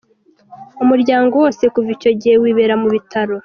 Umuryango wose kuva icyo gihe wibera mu bitaro.